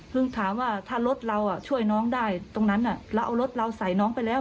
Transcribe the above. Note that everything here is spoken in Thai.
ถามว่าถ้ารถเราช่วยน้องได้ตรงนั้นเราเอารถเราใส่น้องไปแล้ว